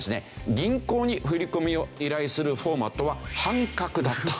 銀行に振り込みを依頼するフォーマットは半角だったと。